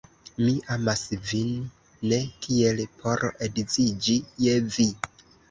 Mi amas vin ne tiel, por edziĝi je vi.